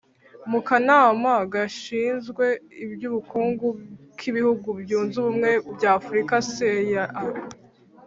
mu kanama gashinzwe iby'ubukungu k'ibihugu byunze ubumwe by'afurika (cea).